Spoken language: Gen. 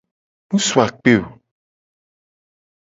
Mu su akpe o.